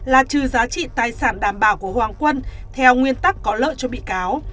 là trừ giá trị tài sản đảm bảo của hoàng quân theo nguyên tắc có lợi cho bị cáo